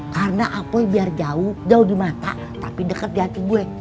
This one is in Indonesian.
karena apoy biar jauh jauh di mata tapi deket di hati gue